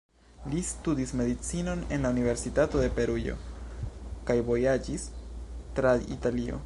Li studis medicinon en la Universitato de Peruĝo kaj vojaĝis tra Italio.